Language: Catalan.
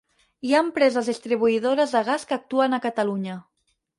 Hi ha Empreses Distribuïdores de Gas que actuen a Catalunya.